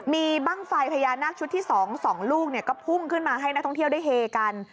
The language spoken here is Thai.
มีบ้างไฟพญานาคชุดที่๒๒ลูกก็พุ่งขึ้นมาให้นักท่องเที่ยวได้เฮกัน